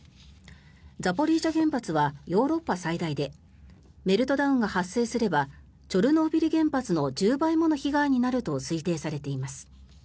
ザポリージャ原発はヨーロッパ最大でメルトダウンが発生すればチョルノービリ原発の１０倍もの被害になると推定されています。